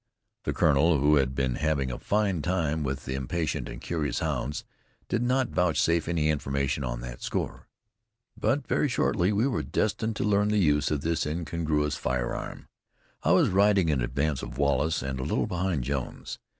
The Colonel, who had been having a fine time with the impatient and curious hounds, did not vouchsafe any information on that score. But very shortly we were destined to learn the use of this incongruous firearm. I was riding in advance of Wallace, and a little behind Jones.